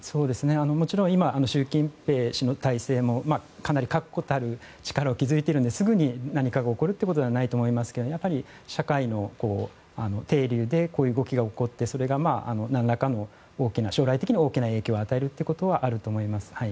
もちろん今習近平氏の体制もかなり確固たる力を築いているのですぐに何かが起こることではないと思いますけど社会でこういう動きが起こってそれが将来的には大きな影響を与えることはあると思います。